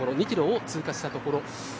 ２キロを通過したところ。